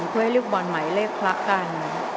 เพื่อให้ลูกบอลหมายเลขคลักกัน